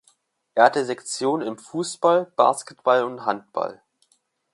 Er hat Sektionen im Fußball, Basketball und Handball.